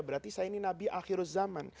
berarti saya ini nabi akhir zaman